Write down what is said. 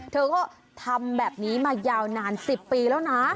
เธอก็ทำแบบนี้มายาวนาน๑๐ปีแล้วนะ